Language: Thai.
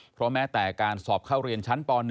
เพราะแม้แต่การสอบเข้าเรียนชั้นป๑